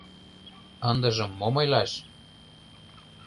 Ындыжым мом ойлаш?